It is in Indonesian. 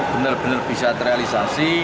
benar benar bisa terrealisasi